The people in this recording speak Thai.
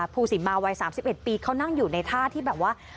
ภูสิมาวัย๓๑ปีเขานั่งอยู่ในท่าที่แบบว่า